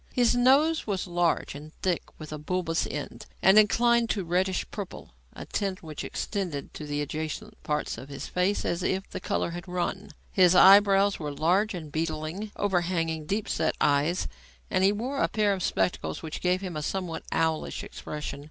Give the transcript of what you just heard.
His nose was large and thick with a bulbous end, and inclined to a reddish purple, a tint which extended to the adjacent parts of his face as if the colour had run. His eyebrows were large and beetling, overhanging deep set eyes, and he wore a pair of spectacles which gave him a somewhat owlish expression.